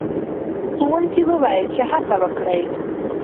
ښوونکی وویل چې هڅه وکړئ.